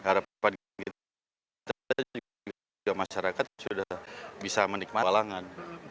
harapan kita juga masyarakat sudah bisa menikmati halangan